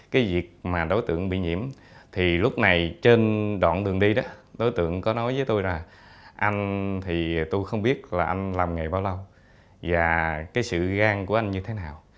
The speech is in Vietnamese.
cái việc mà đối tượng bị nhiễm thì lúc này trên đoạn đường đi đó đối tượng có nói với tôi là anh thì tôi không biết là anh làm nghề bao lâu và cái sự gan của anh như thế nào